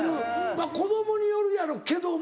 まぁ子供によるやろうけども。